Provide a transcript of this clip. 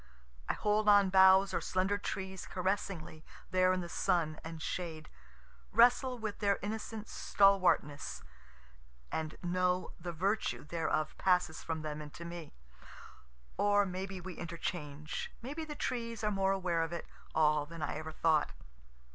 I hold on boughs or slender trees caressingly there in the sun and shade, wrestle with their innocent stalwartness and know the virtue thereof passes from them into me. (Or may be we interchange may be the trees are more aware of it all than I ever thought.)